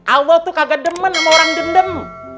allah tuh kagak demen sama orang dendem